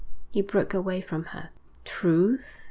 He broke away from her. 'Truth?